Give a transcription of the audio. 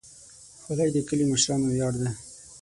خولۍ د کلي د مشرانو ویاړ ده.